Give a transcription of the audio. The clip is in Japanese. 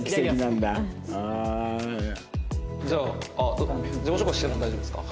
じゃあ自己紹介しても大丈夫ですか？